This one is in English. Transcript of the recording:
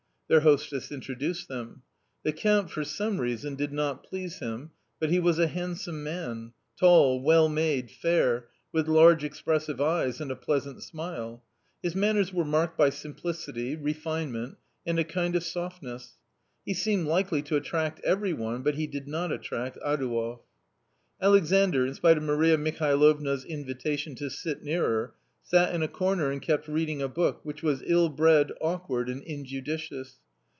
Their hostess introduced them. The Count, for some reason, did not please him, but he was a handsome man — tall, well made, fair, with large expressive eyes, and a pleasant smile. His manners were marked by simplicity, refinement, and a kind of softness. He seemed likely to attract every one, but he did not attract Adouev. Alexandr, in spite of Maria Mihalovna's invitation to sit nearer, sat in a corner and kept reading a book, which was ill bred, awkward, and injudicious.